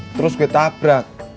terus gue tabrak